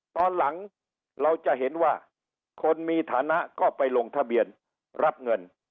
ตอนหลังเราจะเห็นว่าคนมีฐานะก็ไปลงทะเบียนรับเงิน